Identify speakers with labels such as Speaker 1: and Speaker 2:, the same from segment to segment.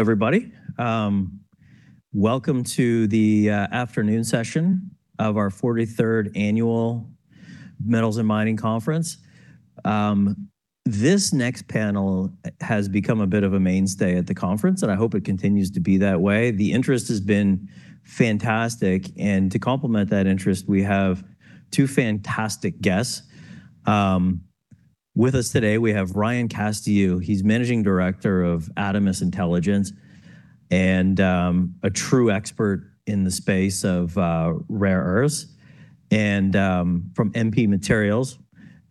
Speaker 1: Everybody, welcome to the afternoon session of our 43rd Annual Metals and Mining Conference. This next panel has become a bit of a mainstay at the conference, and I hope it continues to be that way. The interest has been fantastic, and to complement that interest, we have two fantastic guests. With us today, we have Ryan Castilloux. He's Managing Director of Adamas Intelligence and a true expert in the space of rare earths. From MP Materials,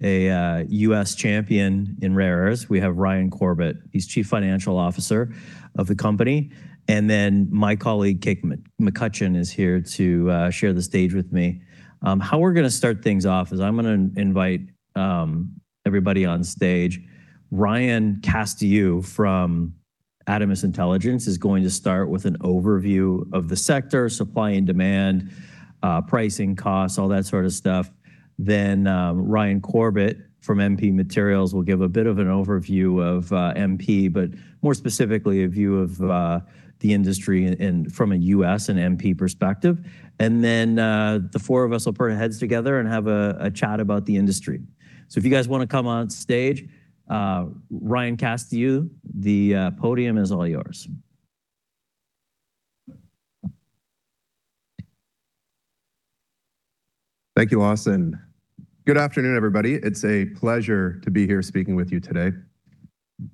Speaker 1: a U.S. champion in rare earths, we have Ryan Corbett. He's Chief Financial Officer of the company. My colleague, Kate McCutcheon, is here to share the stage with me. How we're gonna start things off is I'm gonna invite everybody on stage. Ryan Castilloux from Adamas Intelligence is going to start with an overview of the sector, supply and demand, pricing costs, all that sort of stuff. Ryan Corbett from MP Materials will give a bit of an overview of MP, but more specifically a view of the industry from a U.S. and MP perspective. The four of us will put our heads together and have a chat about the industry. If you guys wanna come on stage, Ryan Castilloux, the podium is all yours.
Speaker 2: Thank you, Lawson. Good afternoon, everybody. It's a pleasure to be here speaking with you today.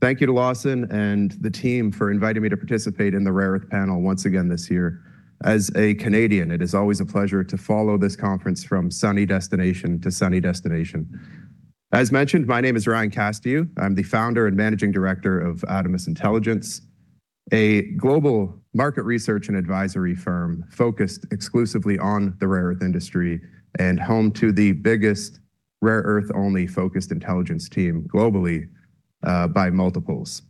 Speaker 2: Thank you to Lawson and the team for inviting me to participate in the Rare Earth panel once again this year. As a Canadian, it is always a pleasure to follow this conference from sunny destination to sunny destination. As mentioned, my name is Ryan Castilloux. I'm the founder and managing director of Adamas Intelligence, a global market research and advisory firm focused exclusively on the rare earth industry and home to the biggest rare earth only focused intelligence team globally, by multiples.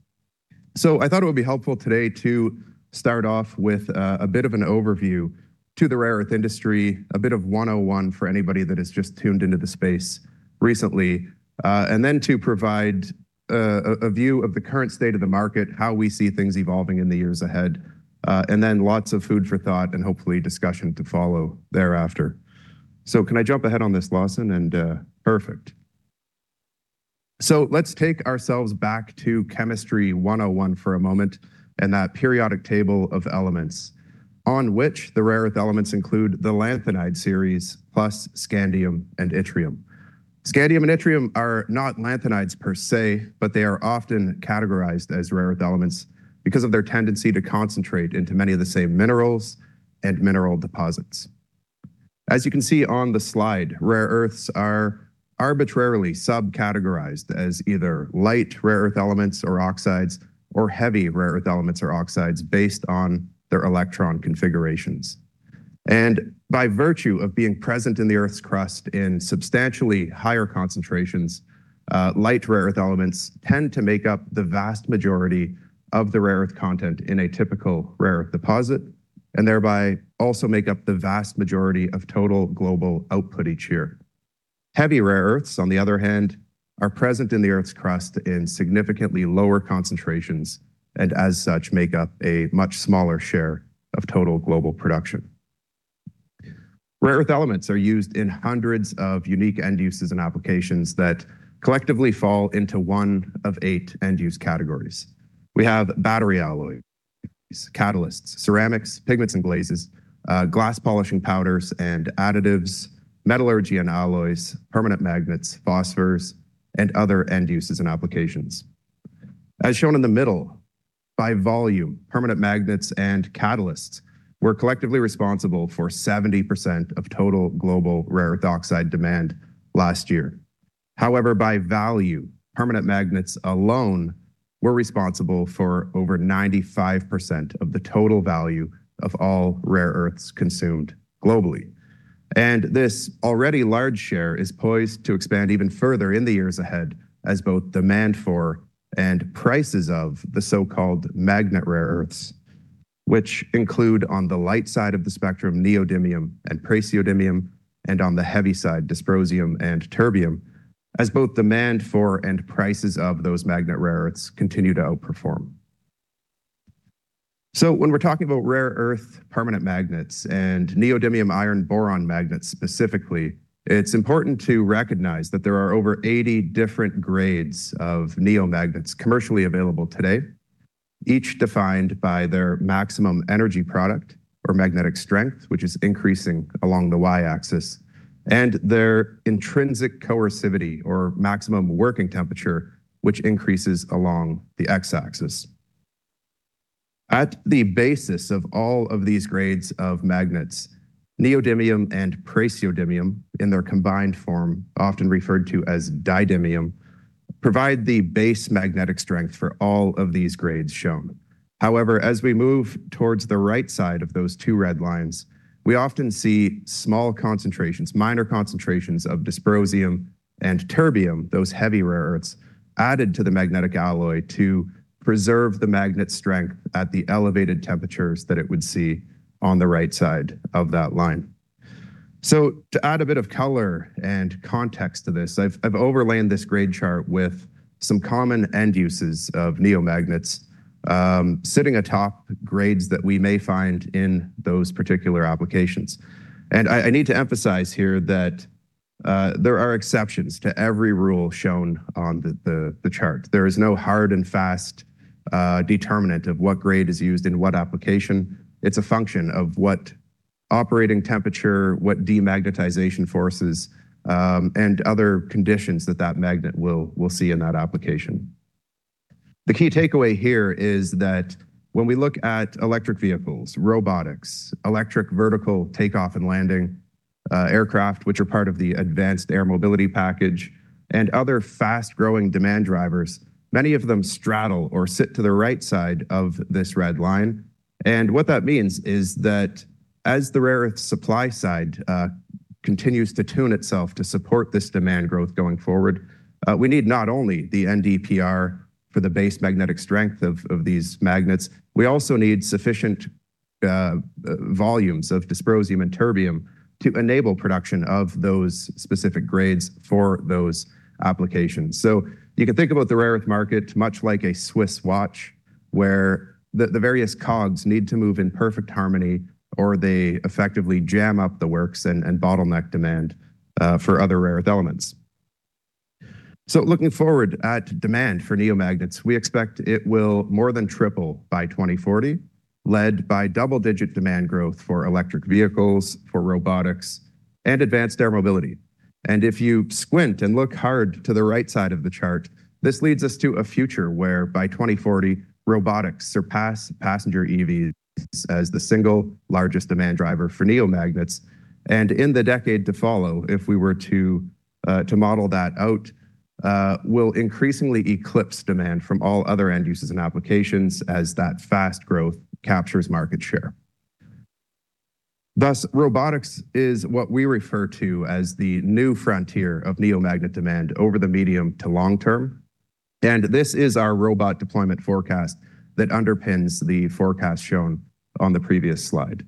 Speaker 2: I thought it would be helpful today to start off with, a bit of an overview to the rare earth industry, a bit of 101 for anybody that has just tuned into the space recently, and then to provide a view of the current state of the market, how we see things evolving in the years ahead, and then lots of food for thought and hopefully discussion to follow thereafter. Can I jump ahead on this, Lawson? And, perfect. Let's take ourselves back to Chemistry 101 for a moment and that periodic table of elements on which the rare earth elements include the lanthanide series plus scandium and yttrium. Scandium and yttrium are not lanthanides per se, but they are often categorized as rare earth elements because of their tendency to concentrate into many of the same minerals and mineral deposits. As you can see on the slide, rare earths are arbitrarily sub-categorized as either light rare earth elements or oxides or heavy rare earth elements or oxides based on their electron configurations. By virtue of being present in the earth's crust in substantially higher concentrations, light rare earth elements tend to make up the vast majority of the rare earth content in a typical rare earth deposit and thereby also make up the vast majority of total global output each year. Heavy rare earths, on the other hand, are present in the earth's crust in significantly lower concentrations and as such make up a much smaller share of total global production. Rare earth elements are used in hundreds of unique end uses and applications that collectively fall into one of eight end use categories. We have battery alloys, catalysts, ceramics, pigments and glazes, glass polishing powders and additives, metallurgy and alloys, permanent magnets, phosphors, and other end uses and applications. As shown in the middle, by volume, permanent magnets and catalysts were collectively responsible for 70% of total global rare earth oxide demand last year. However, by value, permanent magnets alone were responsible for over 95% of the total value of all rare earths consumed globally. This already large share is poised to expand even further in the years ahead as both demand for and prices of the so-called magnet rare earths, which include on the light side of the spectrum neodymium and praseodymium, and on the heavy side dysprosium and terbium, as both demand for and prices of those magnet rare earths continue to outperform. When we're talking about rare earth permanent magnets and neodymium iron boron magnets specifically, it's important to recognize that there are over 80 different grades of neo magnets commercially available today, each defined by their maximum energy product or magnetic strength, which is increasing along the y-axis, and their intrinsic coercivity or maximum working temperature, which increases along the x-axis. At the basis of all of these grades of magnets, neodymium and praseodymium, in their combined form often referred to as didymium, provide the base magnetic strength for all of these grades shown. However, as we move towards the right side of those two red lines, we often see small concentrations, minor concentrations of dysprosium and terbium, those heavy rare earths, added to the magnetic alloy to preserve the magnet strength at the elevated temperatures that it would see on the right side of that line. To add a bit of color and context to this, I've overlain this grade chart with some common end uses of neo magnets, sitting atop grades that we may find in those particular applications. I need to emphasize here that there are exceptions to every rule shown on the chart. There is no hard and fast determinant of what grade is used in what application. It's a function of what operating temperature, what demagnetization forces, and other conditions that that magnet will see in that application. The key takeaway here is that when we look at electric vehicles, robotics, electric vertical takeoff and landing aircraft, which are part of the advanced air mobility package, and other fast-growing demand drivers, many of them straddle or sit to the right side of this red line. What that means is that as the rare earth supply side continues to tune itself to support this demand growth going forward, we need not only the NdPr for the base magnetic strength of these magnets, we also need sufficient volumes of dysprosium and terbium to enable production of those specific grades for those applications. You can think about the rare earth market much like a Swiss watch, where the various cogs need to move in perfect harmony, or they effectively jam up the works and bottleneck demand for other rare earth elements. Looking forward at demand for neo magnets, we expect it will more than triple by 2040, led by double-digit demand growth for electric vehicles, for robotics, and advanced air mobility. If you squint and look hard to the right side of the chart, this leads us to a future where by 2040, robotics surpass passenger EVs as the single largest demand driver for neo magnets. In the decade to follow, if we were to model that out, will increasingly eclipse demand from all other end uses and applications as that fast growth captures market share. Robotics is what we refer to as the new frontier of neo magnet demand over the medium to long term. This is our robot deployment forecast that underpins the forecast shown on the previous slide.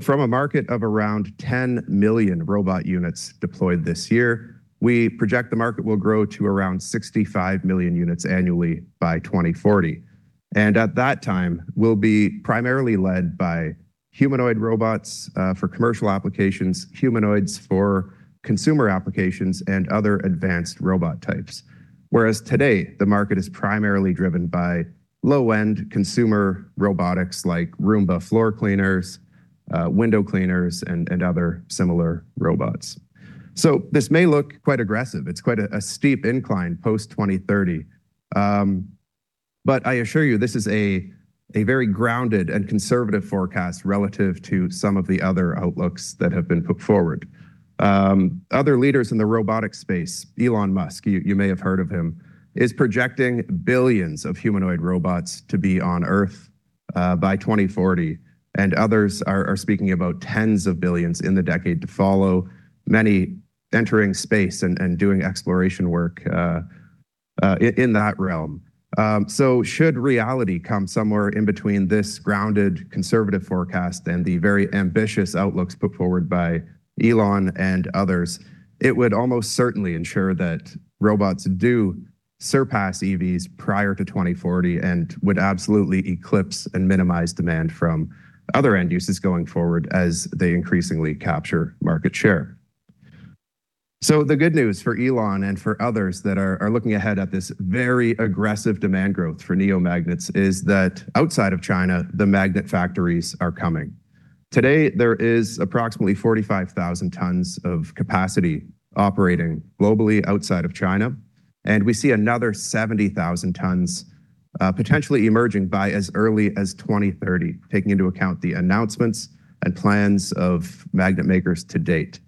Speaker 2: From a market of around 10 million robot units deployed this year, we project the market will grow to around 65 million units annually by 2040. At that time, will be primarily led by humanoid robots for commercial applications, humanoids for consumer applications, and other advanced robot types. Whereas today, the market is primarily driven by low-end consumer robotics like Roomba floor cleaners, window cleaners, and other similar robots. This may look quite aggressive. It's quite a steep incline post 2030. But I assure you, this is a very grounded and conservative forecast relative to some of the other outlooks that have been put forward. Other leaders in the robotics space, Elon Musk, you may have heard of him, is projecting billions of humanoid robots to be on Earth by 2040, and others are speaking about 10s of billions in the decade to follow, many entering space and doing exploration work in that realm. Should reality come somewhere in between this grounded conservative forecast and the very ambitious outlooks put forward by Elon and others, it would almost certainly ensure that robots do surpass EVs prior to 2040 and would absolutely eclipse and minimize demand from other end uses going forward as they increasingly capture market share. The good news for Elon and for others that are looking ahead at this very aggressive demand growth for neo magnets is that outside of China, the magnet factories are coming. Today, there is approximately 45,000 tons of capacity operating globally outside of China, and we see another 70,000 tons potentially emerging by as early as 2030, taking into account the announcements and plans of magnet makers to date.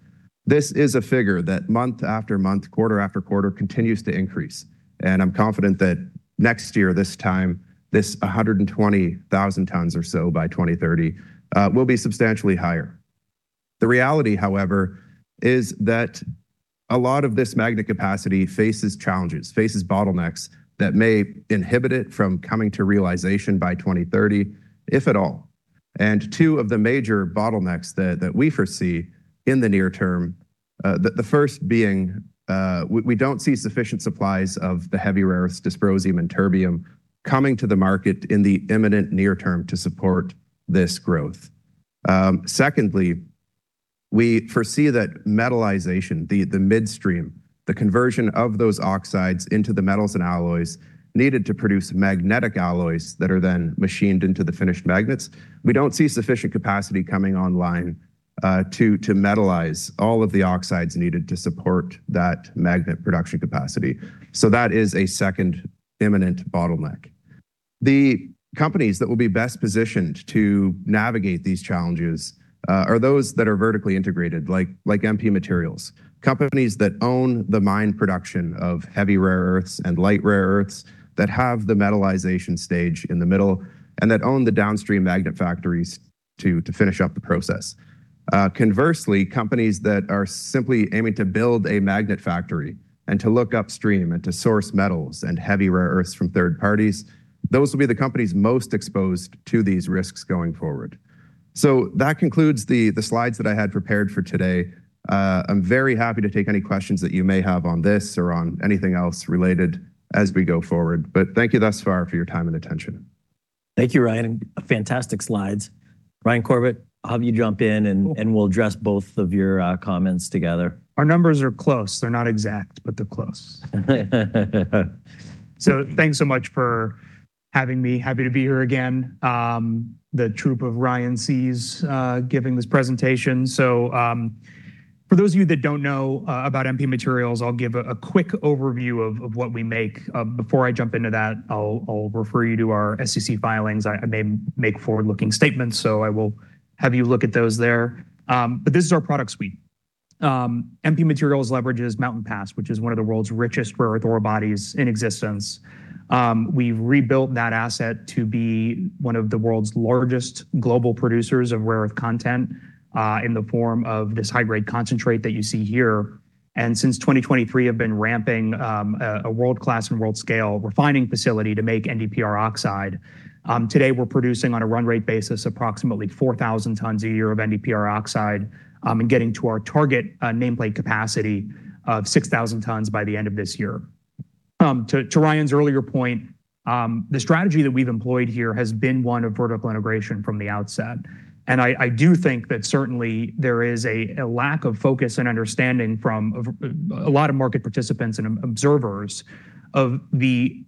Speaker 2: This is a figure that month after month, quarter after quarter, continues to increase, and I'm confident that next year this time, this 120,000 tons or so by 2030 will be substantially higher. The reality, however, is that a lot of this magnet capacity faces challenges, faces bottlenecks that may inhibit it from coming to realization by 2030, if at all. Two of the major bottlenecks that we foresee in the near term, the first being, we don't see sufficient supplies of the heavy rare earths dysprosium and terbium coming to the market in the imminent near term to support this growth. Secondly, we foresee that metallization, the midstream, the conversion of those oxides into the metals and alloys needed to produce magnetic alloys that are then machined into the finished magnets, we don't see sufficient capacity coming online to metallize all of the oxides needed to support that magnet production capacity. That is a second imminent bottleneck. The companies that will be best positioned to navigate these challenges are those that are vertically integrated, like MP Materials, companies that own the mine production of heavy rare earths and light rare earths, that have the metallization stage in the middle, and that own the downstream magnet factories to finish up the process. Conversely, companies that are simply aiming to build a magnet factory and to look upstream and to source metals and heavy rare earths from third parties, those will be the companies most exposed to these risks going forward. That concludes the slides that I had prepared for today. I'm very happy to take any questions that you may have on this or on anything else related as we go forward. Thank you thus far for your time and attention.
Speaker 1: Thank you, Ryan, and fantastic slides. Ryan Corbett, I'll have you jump in and we'll address both of your comments together.
Speaker 3: Our numbers are close. They're not exact, but they're close. Thanks so much for having me. Happy to be here again, the troupe of Ryan C's giving this presentation. For those of you that don't know about MP Materials, I'll give a quick overview of what we make. Before I jump into that, I'll refer you to our SEC filings. I may make forward-looking statements, so I will have you look at those there. This is our product suite. MP Materials leverages Mountain Pass, which is one of the world's richest rare earth ore bodies in existence. We've rebuilt that asset to be one of the world's largest global producers of rare earth content, in the form of this high-grade concentrate that you see here, and since 2023 have been ramping a world-class and world-scale refining facility to make NdPr oxide. Today, we're producing on a run rate basis approximately 4,000 tons a year of NdPr oxide, and getting to our target nameplate capacity of 6,000 tons by the end of this year. To Ryan's earlier point, the strategy that we've employed here has been one of vertical integration from the outset. I do think that certainly there is a lack of focus and understanding from a lot of market participants and observers of the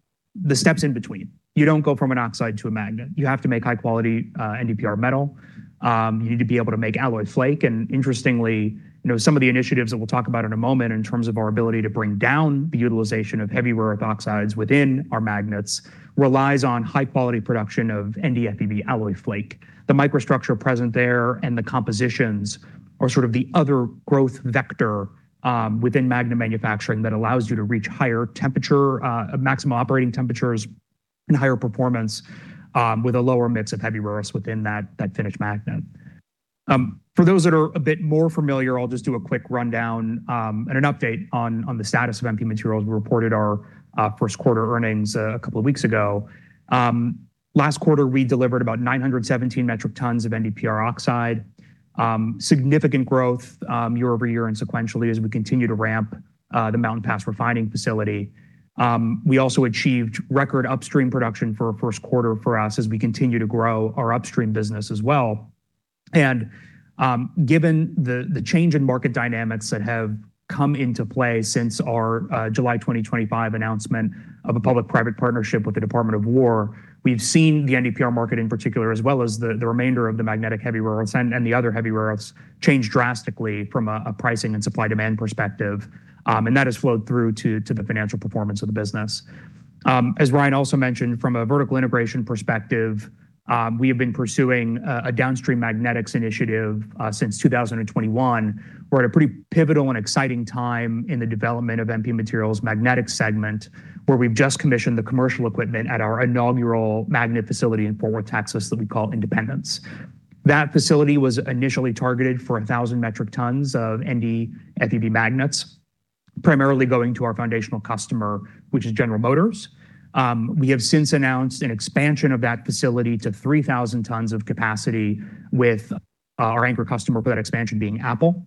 Speaker 3: steps in between. You don't go from an oxide to a magnet. You have to make high-quality NdPr metal. You need to be able to make alloy flake. Interestingly, you know, some of the initiatives that we'll talk about in a moment in terms of our ability to bring down the utilization of heavy rare earth oxides within our magnets relies on high-quality production of NdFeB alloy flake. The microstructure present there and the compositions are sort of the other growth vector within magnet manufacturing that allows you to reach higher temperature, maximum operating temperatures and higher performance with a lower mix of heavy rare earths within that finished magnet. For those that are a bit more familiar, I'll just do a quick rundown and an update on the status of MP Materials. We reported our first quarter earnings a couple of weeks ago. Last quarter, we delivered about 917 metric tons of NdPr oxide, significant growth year-over-year and sequentially as we continue to ramp the Mountain Pass refining facility. We also achieved record upstream production for a first quarter for us as we continue to grow our upstream business as well. Given the change in market dynamics that have come into play since our July 2025 announcement of a public-private partnership with the Department of War, we've seen the NdPr market in particular, as well as the remainder of the magnetic heavy rare earths and the other heavy rare earths change drastically from a pricing and supply-demand perspective, and that has flowed through to the financial performance of the business. As Ryan also mentioned, from a vertical integration perspective, we have been pursuing a downstream magnetics initiative since 2021. We're at a pretty pivotal and exciting time in the development of MP Materials' magnetic segment, where we've just commissioned the commercial equipment at our inaugural magnet facility in Fort Worth, Texas, that we call Independence. That facility was initially targeted for 1,000 metric tons of NdFeB magnets, primarily going to our foundational customer, which is General Motors. We have since announced an expansion of that facility to 3,000 tons of capacity with our anchor customer for that expansion being Apple.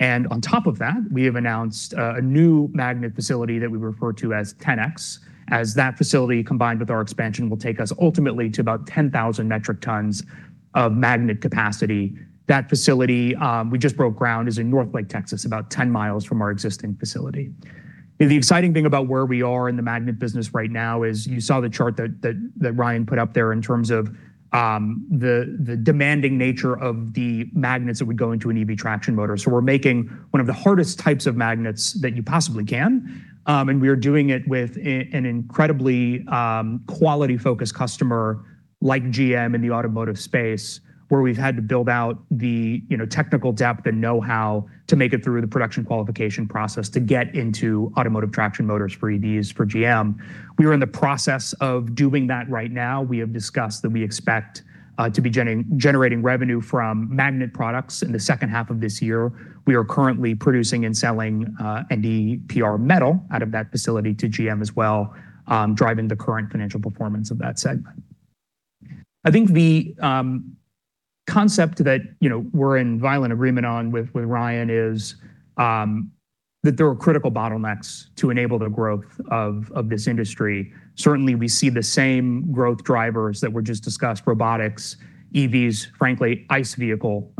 Speaker 3: On top of that, we have announced a new magnet facility that we refer to as 10X, as that facility, combined with our expansion, will take us ultimately to about 10,000 metric tons of magnet capacity. That facility, we just broke ground, is in Northlake, Texas, about 10 mi from our existing facility. The exciting thing about where we are in the magnet business right now is you saw the chart that Ryan put up there in terms of the demanding nature of the magnets that would go into an EV traction motor. We're making one of the hardest types of magnets that you possibly can, and we are doing it with an incredibly quality-focused customer like GM in the automotive space, where we've had to build out the, you know, technical depth and know-how to make it through the production qualification process to get into automotive traction motors for EVs for GM. We are in the process of doing that right now. We have discussed that we expect to be generating revenue from magnet products in the second half of this year. We are currently producing and selling NdPr metal out of that facility to GM as well, driving the current financial performance of that segment. I think the concept that, you know, we're in violent agreement on with Ryan is that there are critical bottlenecks to enable the growth of this industry. Certainly, we see the same growth drivers that were just discussed, robotics, EVs, frankly, ICE vehicle,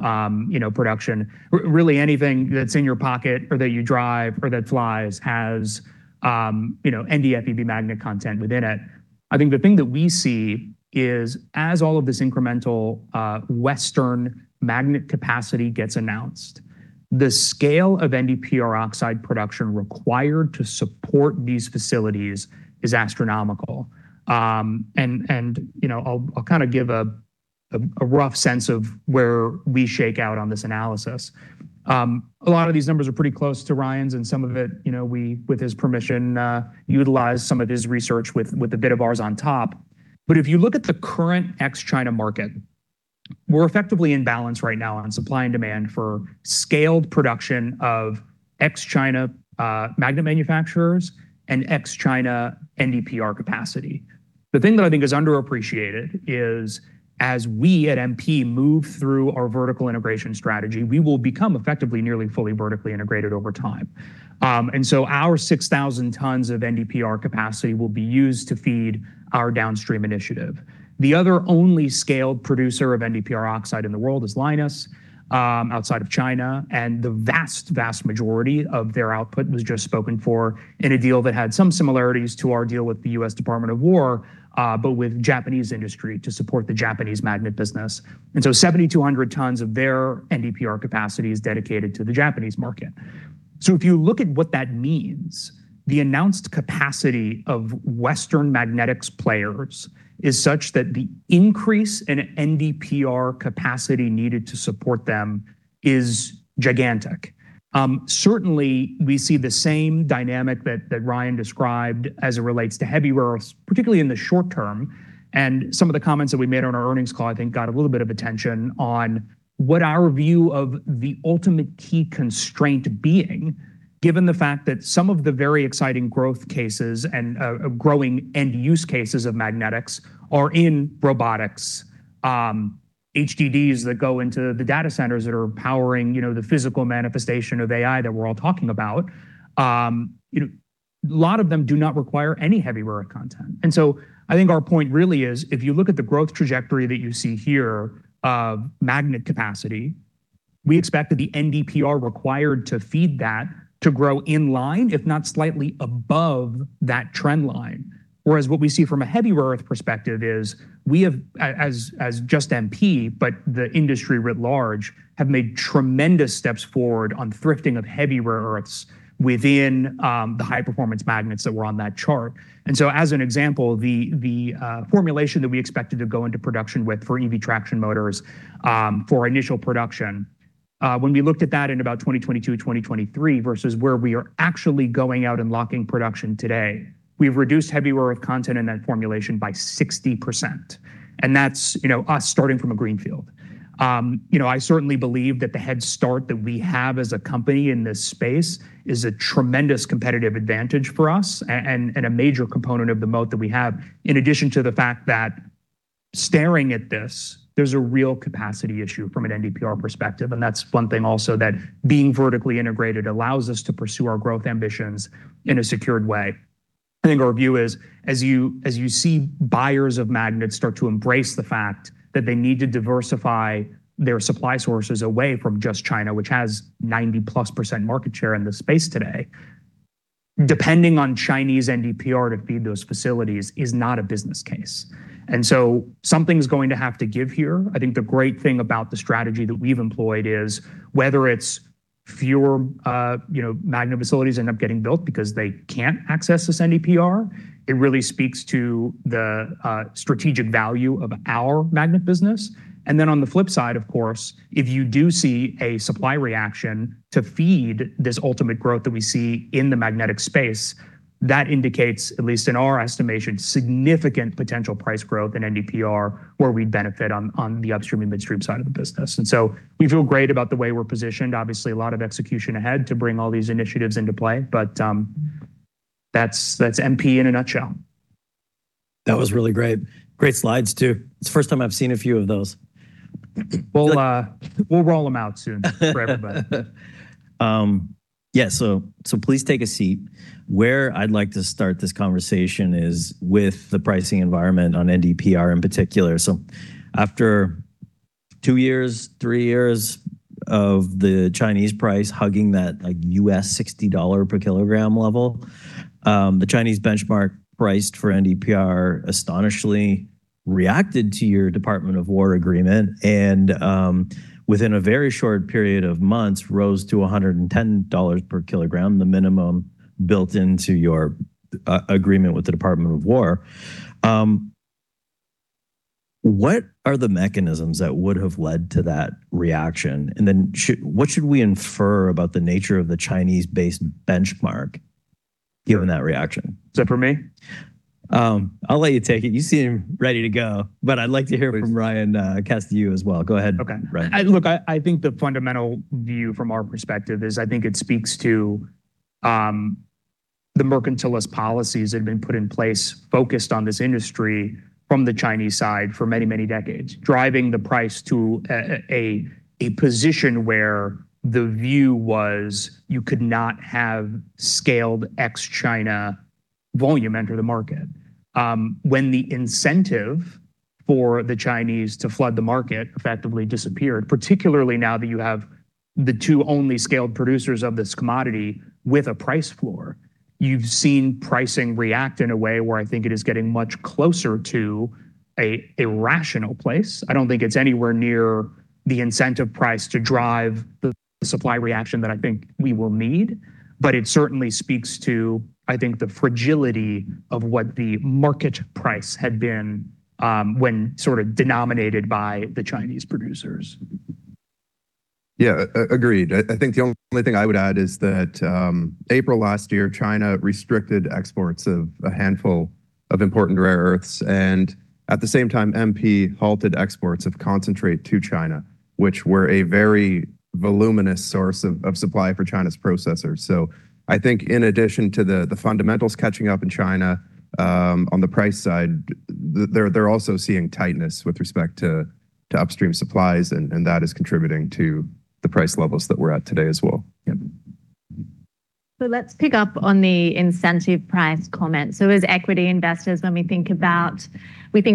Speaker 3: you know, production. Really anything that's in your pocket or that you drive or that flies has, you know, NdFeB magnet content within it. I think the thing that we see is as all of this incremental Western magnet capacity gets announced, the scale of NdPr oxide production required to support these facilities is astronomical. You know, I'll kind of give a rough sense of where we shake out on this analysis. A lot of these numbers are pretty close to Ryan's, and some of it, you know, we, with his permission, utilize some of his research with a bit of ours on top. If you look at the current ex-China market, we're effectively in balance right now on supply and demand for scaled production of ex-China magnet manufacturers and ex-China NdPr capacity. The thing that I think is underappreciated is as we at MP move through our vertical integration strategy, we will become effectively nearly fully vertically integrated over time. Our 6,000 tons of NdPr capacity will be used to feed our downstream initiative. The other only scaled producer of NdPr oxide in the world is Lynas outside of China, and the vast majority of their output was just spoken for in a deal that had some similarities to our deal with the U.S. Department of War, but with Japanese industry to support the Japanese magnet business. 7,200 tons of their NdPr capacity is dedicated to the Japanese market. If you look at what that means, the announced capacity of Western magnetics players is such that the increase in NdPr capacity needed to support them is gigantic. Certainly we see the same dynamic that Ryan described as it relates to heavy rare earths, particularly in the short term. Some of the comments that we made on our earnings call I think got a little bit of attention on what our view of the ultimate key constraint being, given the fact that some of the very exciting growth cases and growing end-use cases of magnetics are in robotics, HDDs that go into the data centers that are powering, you know, the physical manifestation of AI that we're all talking about. You know, a lot of them do not require any heavy rare earth content. I think our point really is if you look at the growth trajectory that you see here of magnet capacity, we expect that the NdPr required to feed that to grow in line, if not slightly above that trend line. Whereas what we see from a heavy rare earth perspective is we have just MP, but the industry writ large have made tremendous steps forward on thrifting of heavy rare earths within the high-performance magnets that were on that chart. As an example, the formulation that we expected to go into production with for EV traction motors, for initial production, when we looked at that in about 2022, 2023 versus where we are actually going out and locking production today, we've reduced heavy rare earth content in that formulation by 60%. That's, you know, us starting from a greenfield. You know, I certainly believe that the head start that we have as a company in this space is a tremendous competitive advantage for us and a major component of the moat that we have, in addition to the fact that staring at this, there's a real capacity issue from an NdPr perspective. That's one thing also that being vertically integrated allows us to pursue our growth ambitions in a secured way. I think our view is as you see buyers of magnets start to embrace the fact that they need to diversify their supply sources away from just China, which has 90%+ market share in this space today, depending on Chinese NdPr to feed those facilities is not a business case. Something's going to have to give here. I think the great thing about the strategy that we've employed is whether it's fewer, you know, magnet facilities end up getting built because they can't access this NdPr, it really speaks to the strategic value of our magnet business. On the flip side, of course, if you do see a supply reaction to feed this ultimate growth that we see in the magnetic space, that indicates, at least in our estimation, significant potential price growth in NdPr, where we'd benefit on the upstream and midstream side of the business. We feel great about the way we're positioned. Obviously, a lot of execution ahead to bring all these initiatives into play, that's MP in a nutshell.
Speaker 1: That was really great. Great slides too. It's the first time I've seen a few of those.
Speaker 3: We'll, we'll roll them out soon for everybody.
Speaker 1: Yeah, please take a seat. Where I'd like to start this conversation is with the pricing environment on NdPr in particular. After two years, three years of the Chinese price hugging that like U.S. $60 per kg level, the Chinese benchmark priced for NdPr astonishingly reacted to your Department of War agreement and within a very short period of months rose to $110 per kg, the minimum built into your agreement with the Department of War. What are the mechanisms that would have led to that reaction? What should we infer about the nature of the Chinese-based benchmark given that reaction?
Speaker 3: Is that for me?
Speaker 1: I'll let you take it. You seem ready to go, but I'd like to hear from Ryan Castilloux as well. Go ahead, Ryan.
Speaker 3: Okay. Look, I think the fundamental view from our perspective is I think it speaks to the mercantilist policies that have been put in place focused on this industry from the Chinese side for many decades, driving the price to a position where the view was you could not have scaled ex-China volume enter the market. When the incentive for the Chinese to flood the market effectively disappeared, particularly now that you have the two only scaled producers of this commodity with a price floor, you've seen pricing react in a way where I think it is getting much closer to a rational place. I don't think it's anywhere near the incentive price to drive the supply reaction that I think we will need, but it certainly speaks to, I think, the fragility of what the market price had been, when sort of denominated by the Chinese producers.
Speaker 2: Yeah, agreed. I think the only thing I would add is that, April last year, China restricted exports of a handful of important rare earths, and at the same time, MP halted exports of concentrate to China, which were a very voluminous source of supply for China's processors. I think in addition to the fundamentals catching up in China, on the price side, they're also seeing tightness with respect to upstream supplies and that is contributing to the price levels that we're at today as well. Yeah.
Speaker 4: Let's pick up on the incentive price comment. As equity investors, when we think about $110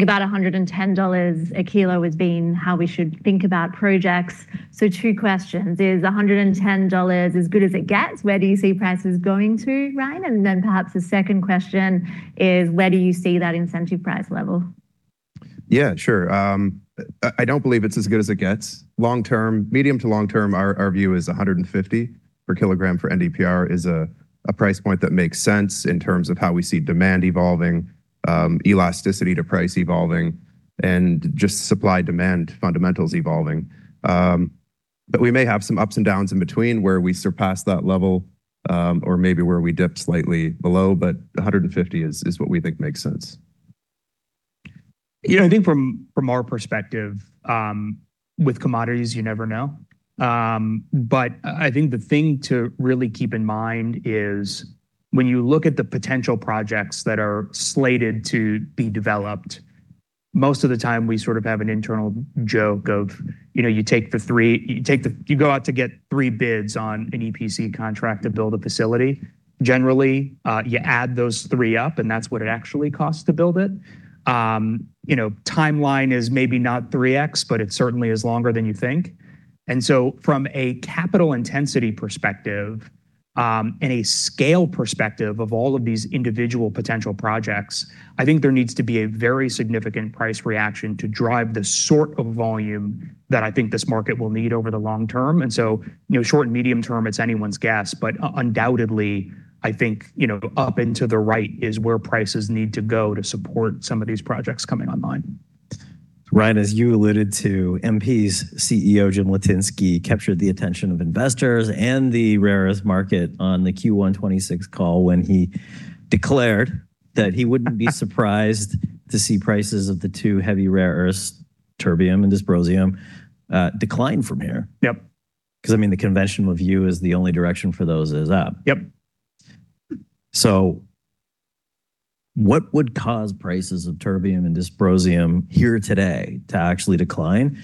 Speaker 4: a kg as being how we should think about projects. Two questions. Is $110 as good as it gets? Where do you see prices going to, Ryan? Then perhaps the second question is, where do you see that incentive price level?
Speaker 2: Yeah, sure. I don't believe it's as good as it gets. Medium to long term, our view is $150 per kg for NdPr is a price point that makes sense in terms of how we see demand evolving, elasticity to price evolving, and just supply-demand fundamentals evolving. But we may have some ups and downs in between where we surpass that level, or maybe where we dip slightly below, but $150 is what we think makes sense.
Speaker 3: You know, I think from our perspective, with commodities, you never know. I think the thing to really keep in mind is when you look at the potential projects that are slated to be developed, most of the time, we sort of have an internal joke of, you know, you go out to get three bids on an EPC contract to build a facility. Generally, you add those three up, that's what it actually costs to build it. You know, timeline is maybe not 3x, it certainly is longer than you think. From a capital intensity perspective, and a scale perspective of all of these individual potential projects, I think there needs to be a very significant price reaction to drive the sort of volume that I think this market will need over the long term. You know, short and medium term, it's anyone's guess. But undoubtedly, I think, you know, up into the right is where prices need to go to support some of these projects coming online.
Speaker 1: Ryan, as you alluded to, MP's CEO, James Litinsky, captured the attention of investors and the rarest market on the Q1 2026 call when he declared that he wouldn't be surprised to see prices of the two heavy rare earths, terbium and dysprosium, decline from here.
Speaker 3: Yep.
Speaker 1: I mean, the conventional view is the only direction for those is up.
Speaker 3: Yep.
Speaker 1: What would cause prices of terbium and dysprosium here today to actually decline?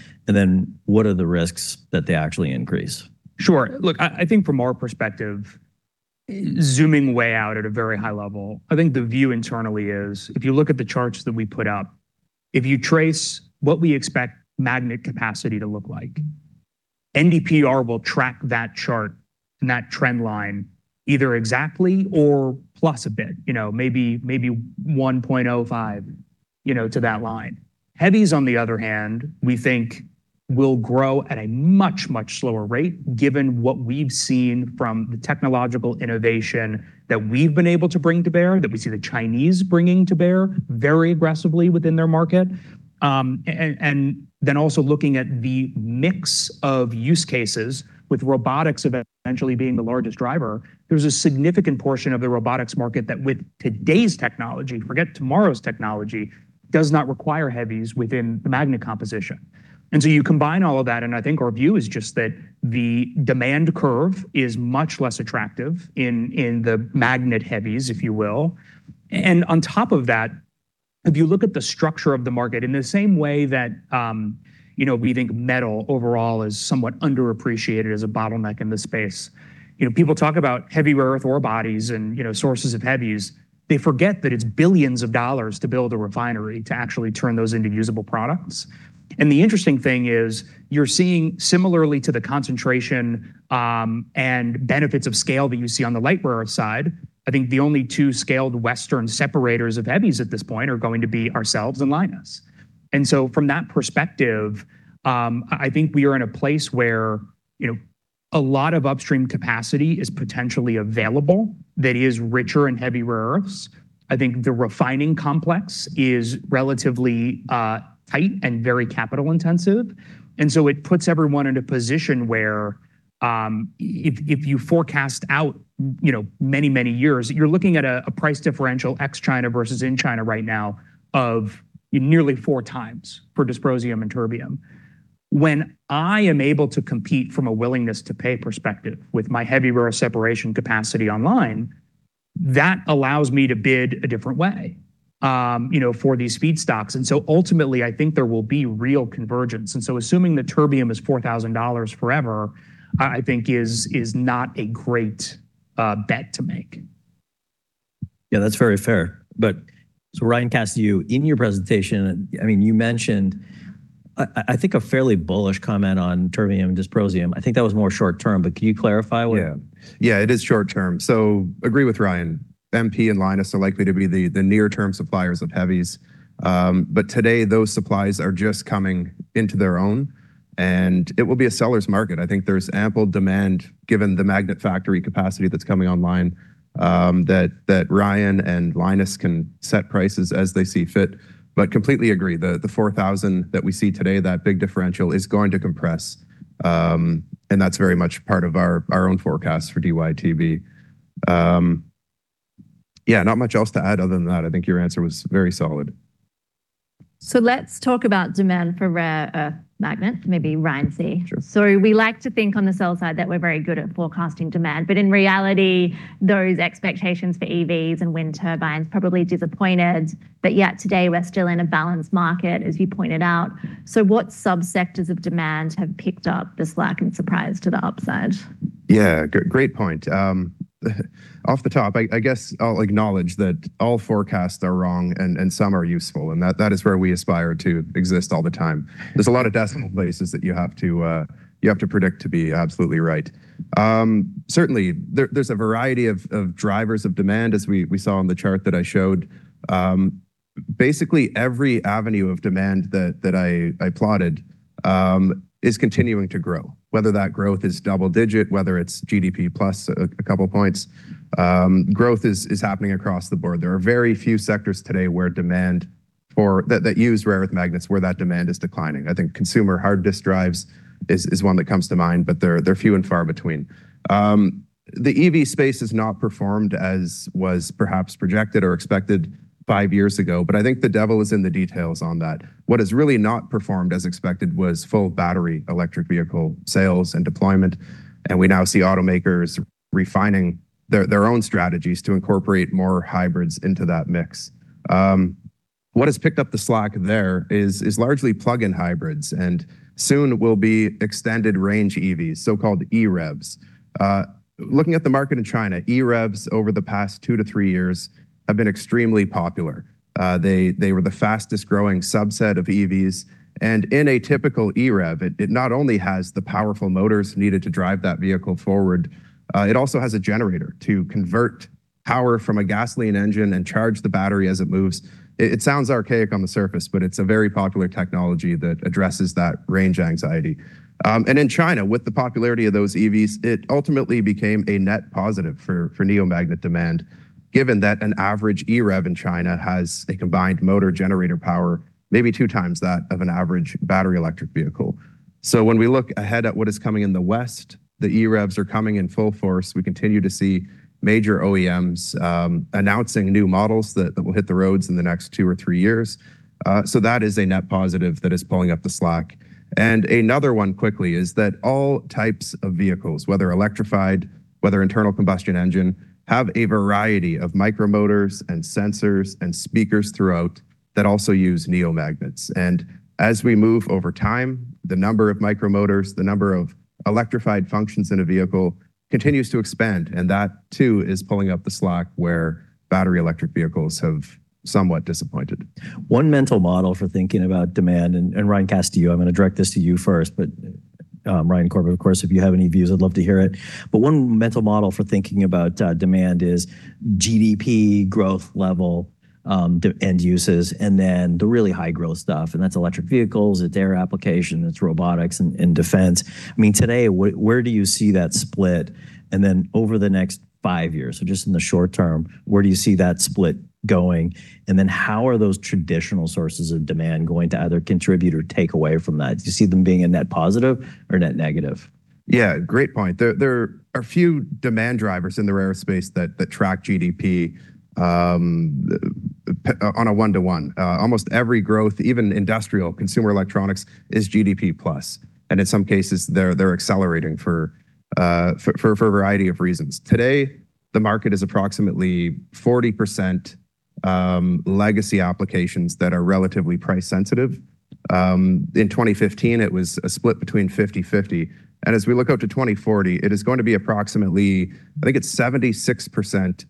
Speaker 1: What are the risks that they actually increase?
Speaker 3: Sure. Look, I think from our perspective, zooming way out at a very high level, I think the view internally is if you look at the charts that we put up, if you trace what we expect magnet capacity to look like, NdPr will track that chart and that trend line either exactly or plus a bit, you know, maybe 1.05, you know, to that line. Heavies, on the other hand, we think will grow at a much slower rate given what we've seen from the technological innovation that we've been able to bring to bear, that we see the Chinese bringing to bear very aggressively within their market. Then also looking at the mix of use cases with robotics eventually being the largest driver, there's a significant portion of the robotics market that with today's technology, forget tomorrow's technology, does not require heavies within the magnet composition. You combine all of that, and I think our view is just that the demand curve is much less attractive in the magnet heavies, if you will. On top of that, if you look at the structure of the market, in the same way that, you know, we think metal overall is somewhat underappreciated as a bottleneck in this space. You know, people talk about heavy rare-earth ore bodies and, you know, sources of heavies. They forget that it's billions of dollars to build a refinery to actually turn those into usable products. The interesting thing is you're seeing similarly to the concentration and benefits of scale that you see on the light rare earth side, I think the only two scaled Western separators of heavies at this point are going to be ourselves and Lynas. From that perspective, I think we are in a place where, you know, a lot of upstream capacity is potentially available that is richer in heavy rare earths. I think the refining complex is relatively tight and very capital-intensive. It puts everyone in a position where, if you forecast out, you know, many, many years, you're looking at a price differential ex-China versus in China right now of nearly 4x for dysprosium and terbium. When I am able to compete from a willingness to pay perspective with my heavy rare earth separation capacity online, that allows me to bid a different way, you know, for these feedstocks. Ultimately, I think there will be real convergence. Assuming that terbium is $4,000 forever, I think is not a great bet to make.
Speaker 1: Yeah, that's very fair. Ryan Castilloux, in your presentation, I mean, you mentioned I think a fairly bullish comment on terbium and dysprosium. I think that was more short-term, can you clarify?
Speaker 2: Yeah. Yeah, it is short term. Agree with Ryan. MP and Lynas are likely to be the near-term suppliers of heavies. Today, those supplies are just coming into their own, and it will be a seller's market. I think there's ample demand given the magnet factory capacity that's coming online, that Ryan and Lynas can set prices as they see fit. Completely agree, the $4,000 that we see today, that big differential is going to compress. That's very much part of our own forecast for DyTb. Yeah, not much else to add other than that. I think your answer was very solid.
Speaker 4: Let's talk about demand for rare earth magnet, maybe Ryan C.
Speaker 2: Sure.
Speaker 4: We like to think on the sell side that we're very good at forecasting demand, but in reality, those expectations for EVs and wind turbines probably disappointed. Yet today we're still in a balanced market, as you pointed out. What subsectors of demand have picked up the slack and surprise to the upside?
Speaker 2: Yeah, great point. Off the top, I guess I'll acknowledge that all forecasts are wrong and some are useful, and that is where we aspire to exist all the time. There's a lot of decimal places that you have to predict to be absolutely right. Certainly there's a variety of drivers of demand as we saw on the chart that I showed. Basically every avenue of demand that I plotted is continuing to grow. Whether that growth is double-digit, whether it's GDP plus a couple points, growth is happening across the board. There are very few sectors today where demand that use rare-earth magnets, where that demand is declining. I think consumer Hard Disk Drives is one that comes to mind, but they're few and far between. The EV space has not performed as was perhaps projected or expected five years ago, I think the devil is in the details on that. What has really not performed as expected was full battery electric vehicle sales and deployment, we now see automakers refining their own strategies to incorporate more hybrids into that mix. What has picked up the slack there is largely plug-in hybrids, soon will be Extended-Range Electric Vehicles, so-called EREVs. Looking at the market in China, EREVs over the past two to three years have been extremely popular. They were the fastest growing subset of EVs, and in a typical EREV, it not only has the powerful motors needed to drive that vehicle forward, it also has a generator to convert power from a gasoline engine and charge the battery as it moves. It sounds archaic on the surface, but it's a very popular technology that addresses that range anxiety. In China, with the popularity of those EVs, it ultimately became a net positive for neo-magnet demand, given that an average EREV in China has a combined motor generator power maybe 2x that of an average battery electric vehicle. When we look ahead at what is coming in the West, the EREVs are coming in full force. We continue to see major OEMs announcing new models that will hit the roads in the next two or three years. That is a net positive that is pulling up the slack. Another one quickly is that all types of vehicles, whether electrified, whether internal combustion engine, have a variety of micro motors and sensors and speakers throughout that also use neo-magnets. As we move over time, the number of micro motors, the number of electrified functions in a vehicle continues to expand, and that too is pulling up the slack where battery electric vehicles have somewhat disappointed.
Speaker 1: One mental model for thinking about demand, and Ryan Castilloux, I'm gonna direct this to you first, but Ryan Corbett, of course, if you have any views, I'd love to hear it. One mental model for thinking about demand is GDP growth level, the end uses, and then the really high-growth stuff, and that's electric vehicles, it's air application, it's robotics and defense. I mean, today where do you see that split? Over the next five years, so just in the short term, where do you see that split going? How are those traditional sources of demand going to either contribute or take away from that? Do you see them being a net positive or net negative?
Speaker 2: Great point. There are few demand drivers in the rare earth space that track GDP on a one-to-one. Almost every growth, even industrial consumer electronics, is GDP plus, and in some cases they're accelerating for a variety of reasons. Today, the market is approximately 40% legacy applications that are relatively price sensitive. In 2015 it was a split between 50/50, as we look out to 2040, it is going to be approximately, I think it's 76%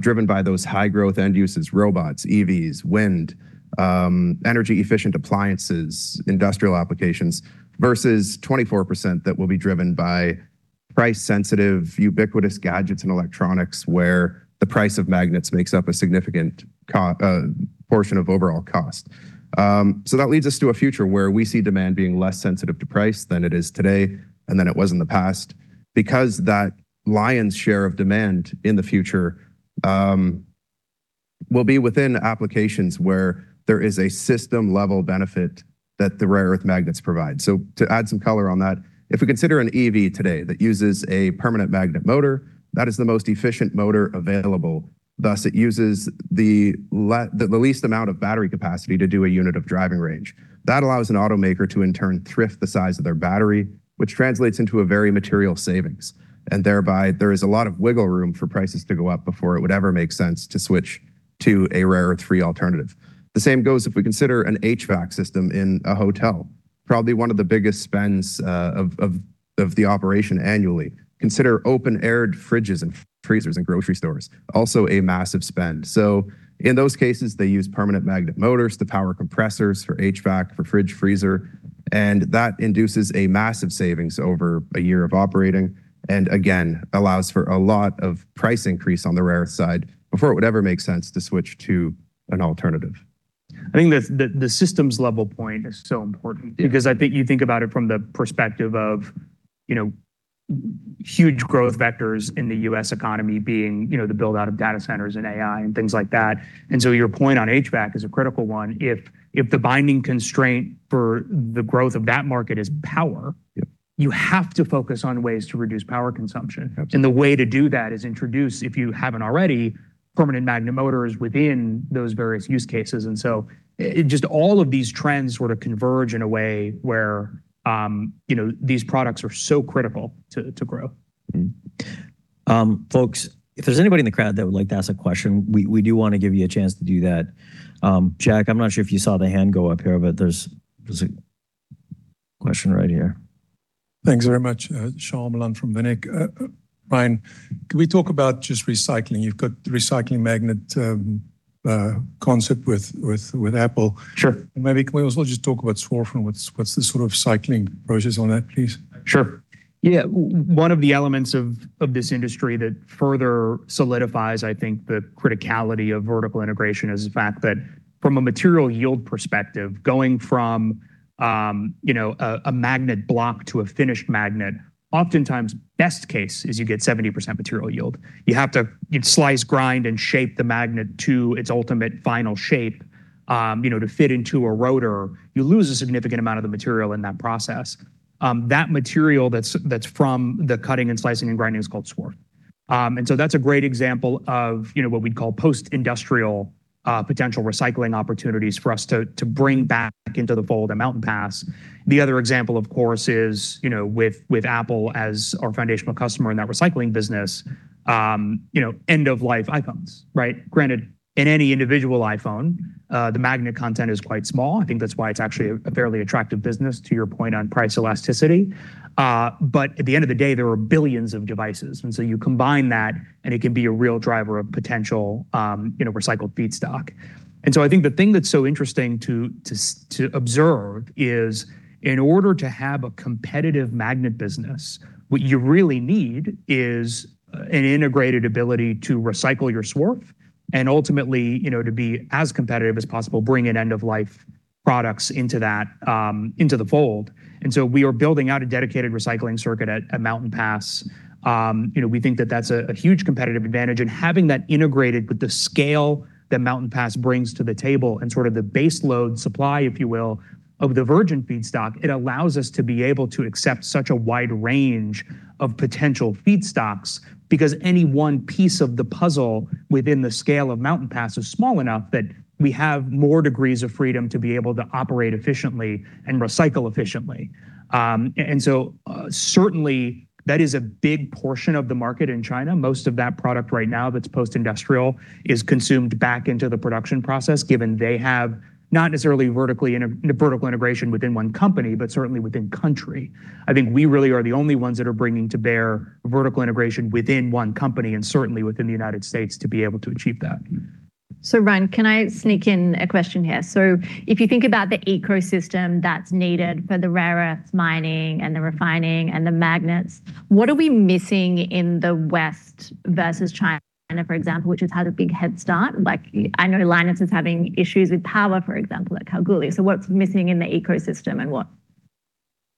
Speaker 2: driven by those high growth end uses, robots, EVs, wind, energy efficient appliances, industrial applications, versus 24% that will be driven by price sensitive ubiquitous gadgets and electronics, where the price of magnets makes up a significant portion of overall cost. That leads us to a future where we see demand being less sensitive to price than it is today and than it was in the past, because that lion's share of demand in the future will be within applications where there is a system level benefit that the rare-earth magnets provide. To add some color on that, if we consider an EV today that uses a permanent magnet motor, that is the most efficient motor available, thus it uses the least amount of battery capacity to do a unit of driving range. That allows an automaker to in turn thrift the size of their battery, which translates into a very material savings, thereby there is a lot of wiggle room for prices to go up before it would ever make sense to switch to a rare-earth free alternative. The same goes if we consider an HVAC system in a hotel, probably one of the biggest spends of the operation annually. Consider open-aired fridges and freezers in grocery stores, also a massive spend. In those cases, they use permanent magnet motors to power compressors for HVAC, for fridge, freezer, and that induces a massive savings over a year of operating, and again, allows for a lot of price increase on the rare earth side before it would ever make sense to switch to an alternative.
Speaker 3: I think the systems level point is so important because I think you think about it from the perspective of, you know, huge growth vectors in the U.S. economy being, you know, the build-out of data centers and AI and things like that. Your point on HVAC is a critical one. If the binding constraint for the growth of that market is power.
Speaker 2: Yep
Speaker 3: You have to focus on ways to reduce power consumption.
Speaker 2: Absolutely.
Speaker 3: The way to do that is introduce, if you haven't already, permanent magnet motors within those various use cases. It just all of these trends sort of converge in a way where, you know, these products are so critical to grow.
Speaker 1: Folks, if there's anybody in the crowd that would like to ask a question, we do wanna give you a chance to do that. Jack, I'm not sure if you saw the hand go up here, but there's a question right here.
Speaker 5: Thanks very much. Charl Malan from VanEck. Ryan, can we talk about just recycling? You've got the recycling magnet concept with Apple.
Speaker 3: Sure.
Speaker 5: Maybe can we also just talk about swarf and what's the sort of cycling process on that, please?
Speaker 3: Sure. Yeah. One of the elements of this industry that further solidifies, I think, the criticality of vertical integration is the fact that from a material yield perspective, going from, you know, a magnet block to a finished magnet, oftentimes best case is you get 70% material yield. You have to, you slice, grind, and shape the magnet to its ultimate final shape, you know, to fit into a rotor. You lose a significant amount of the material in that process. That material that's from the cutting and slicing and grinding is called swarf. That's a great example of, you know, what we'd call post-industrial potential recycling opportunities for us to bring back into the fold at Mountain Pass. The other example, of course, is, you know, with Apple as our foundational customer in that recycling business, you know, end-of-life iPhones. Granted, in any individual iPhone, the magnet content is quite small. I think that's why it's actually a fairly attractive business to your point on price elasticity. At the end of the day, there are billions of devices, you combine that, and it can be a real driver of potential, you know, recycled feedstock. I think the thing that's so interesting to observe is in order to have a competitive magnet business, what you really need is, an integrated ability to recycle your swarf and ultimately, you know, to be as competitive as possible, bring in end-of-life products into that, into the fold. We are building out a dedicated recycling circuit at Mountain Pass. You know, we think that that's a huge competitive advantage, and having that integrated with the scale that Mountain Pass brings to the table and sort of the base load supply, if you will, of the virgin feedstock, it allows us to be able to accept such a wide range of potential feedstocks because any one piece of the puzzle within the scale of Mountain Pass is small enough that we have more degrees of freedom to be able to operate efficiently and recycle efficiently. Certainly that is a big portion of the market in China. Most of that product right now that's post-industrial is consumed back into the production process, given they have not necessarily vertical integration within one company, but certainly within country. I think we really are the only ones that are bringing to bear vertical integration within one company and certainly within the U.S. to be able to achieve that.
Speaker 4: Ryan, can I sneak in a question here? If you think about the ecosystem that's needed for the rare earths mining and the refining and the magnets, what are we missing in the West versus China, for example, which has had a big head start? Like, I know Lynas is having issues with power, for example, at Kalgoorlie. What's missing in the ecosystem?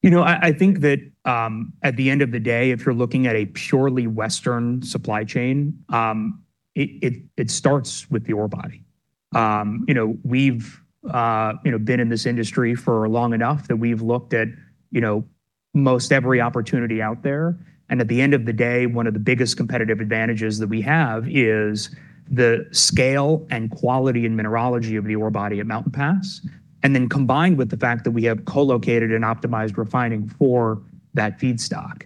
Speaker 3: You know, I think that, at the end of the day, if you're looking at a purely Western supply chain, it starts with the ore body. You know, we've, you know, been in this industry for long enough that we've looked at, you know, most every opportunity out there. At the end of the day, one of the biggest competitive advantages that we have is the scale and quality and mineralogy of the ore body at Mountain Pass, then combined with the fact that we have co-located and optimized refining for that feedstock.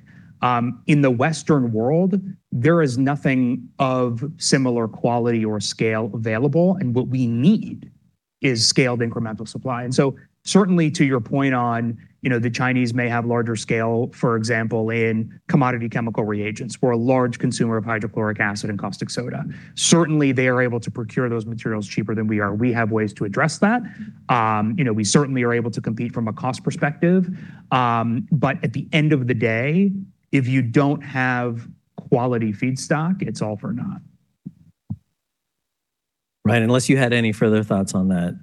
Speaker 3: In the Western world, there is nothing of similar quality or scale available, what we need is scaled incremental supply. Certainly to your point on, you know, the Chinese may have larger scale, for example, in commodity chemical reagents. We're a large consumer of hydrochloric acid and caustic soda. Certainly, they are able to procure those materials cheaper than we are. We have ways to address that. You know, we certainly are able to compete from a cost perspective. At the end of the day, if you don't have quality feedstock, it's all for naught.
Speaker 1: Ryan, unless you had any further thoughts on that.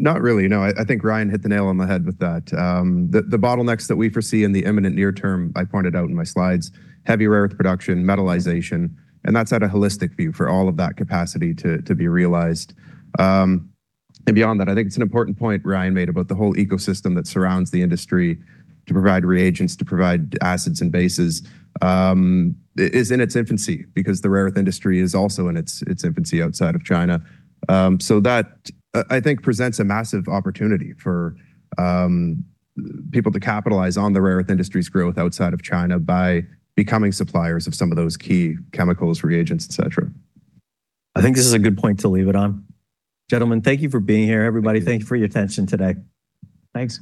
Speaker 2: Not really, no. I think Ryan hit the nail on the head with that. The bottlenecks that we foresee in the imminent near term, I pointed out in my slides, heavy rare earth production, metallization, and that's at a holistic view for all of that capacity to be realized. Beyond that, I think it's an important point Ryan made about the whole ecosystem that surrounds the industry to provide reagents, to provide acids and bases, is in its infancy because the rare earth industry is also in its infancy outside of China. That I think presents a massive opportunity for people to capitalize on the rare earth industry's growth outside of China by becoming suppliers of some of those key chemicals, reagents, et cetera.
Speaker 1: I think this is a good point to leave it on. Gentlemen, thank you for being here. Everybody, thank you for your attention today.
Speaker 3: Thanks.